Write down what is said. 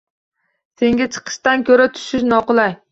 Senga chiqishdan ko’ra tushish noqulay.